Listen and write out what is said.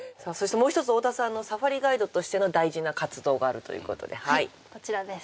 もう一つ太田さんのサファリガイドとしての大事な活動があるということではいこちらです